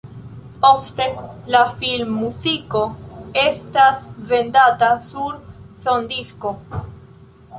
Ofte la filmmuziko estas vendata sur sondisko.